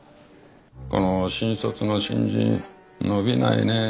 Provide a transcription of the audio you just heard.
この新卒の新人伸びないね。